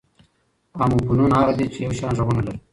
اموفونونه هغه دي، چي یو شان ږغونه لري.